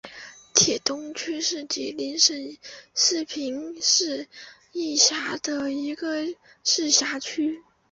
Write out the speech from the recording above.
铁东区是吉林省四平市下辖的一个市辖区。